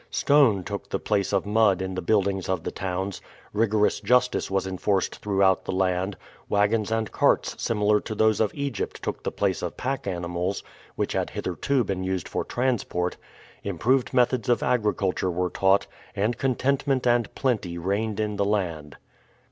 Stone took the place of mud in the buildings of the towns, rigorous justice was enforced throughout the land, wagons and carts similar to those of Egypt took the place of pack animals, which had hitherto been used for transport, improved methods of agriculture were taught, and contentment and plenty reigned in the land.